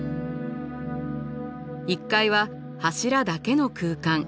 １階は柱だけの空間。